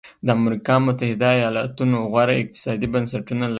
د امریکا متحده ایالتونو غوره اقتصادي بنسټونه لري.